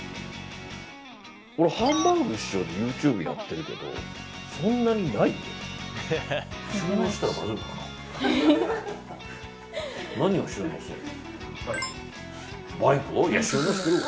俺、ハンバーグ師匠でＹｏｕＴｕｂｅやってるけどそんなにないよ。